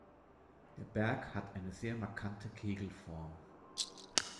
Der Berg hat eine sehr markante Kegelform.